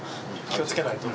気を付けないと。